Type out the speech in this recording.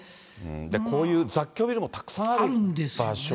こういう雑居ビルもたくさんある場所なんですね。